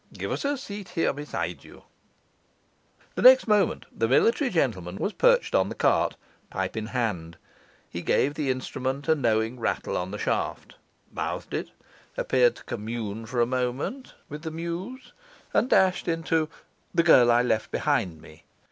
Give us a seat here beside you.' The next moment the military gentleman was perched on the cart, pipe in hand. He gave the instrument a knowing rattle on the shaft, mouthed it, appeared to commune for a moment with the muse, and dashed into 'The girl I left behind me'.